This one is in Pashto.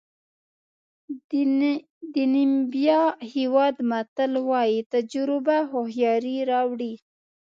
د نیمبیا هېواد متل وایي تجربه هوښیاري راوړي.